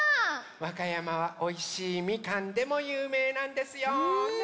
わかやまはおいしいみかんでもゆうめいなんですよね。